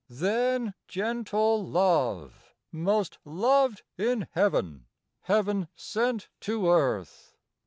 Then gentle Love, most loved in heaven, Heav'n sent to Earth.